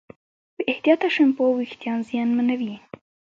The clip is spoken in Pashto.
بې احتیاطه شیمپو وېښتيان زیانمنوي.